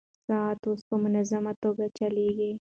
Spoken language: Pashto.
ساعت اوس په منظمه توګه چلېږي.